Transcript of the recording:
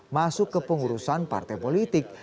masuk ke pengurusan partai politik